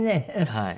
はい。